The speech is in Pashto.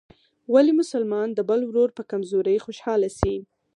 ولي مسلمان د بل ورور په کمزورۍ خوشحاله سي؟